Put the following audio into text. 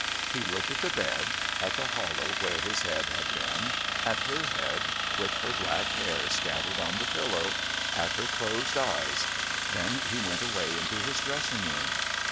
He looked at the bed, at the hollow where his head had been, at her head with her black hair scattered on the pillow, at her closed eyes, then he went away into his dressing room.